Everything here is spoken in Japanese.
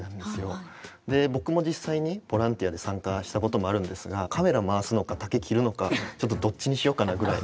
僕も実際にボランティアで参加したこともあるんですがカメラを回すのか竹を切るのかどっちにしようかなぐらいの。